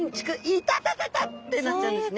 「イタタタタ！」ってなっちゃうんですね。